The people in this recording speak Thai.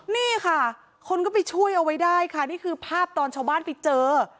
นี่ค่ะคนก็ไปช่วยเอาไว้ได้ค่ะนี่คือภาพตอนชาวบ้านไปเจอ